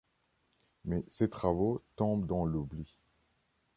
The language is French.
Mais ses travaux tombent dans l’oubli.